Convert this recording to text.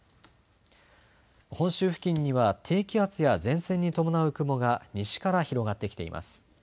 本州付近には低気圧や前線に伴う雲が西から広がってきています。